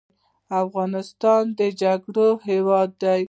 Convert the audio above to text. افغانستان د جګړو هیواد دی